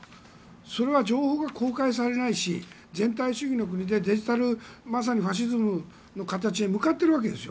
それは情報が公開されないし全体主義の国でまさにデジタルファシズムに向かっているわけですよ。